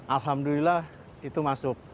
alhamdulillah itu masuk